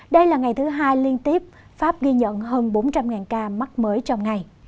đây là ngày thứ hai liên tiếp pháp ghi nhận hơn bốn trăm linh ca mắc mới trong ngày